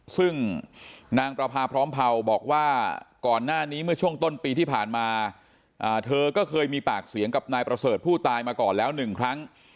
ซึ่งนางประพาพร้อมเผาบอกว่าก่อนหน้านี้เมื่อช่วงต้นปีที่ผ่านมาเธอก็เคยมีปากเสียงกับนายประเสริฐผู้ตายมาก่อนแล้วหนึ่งครั้ง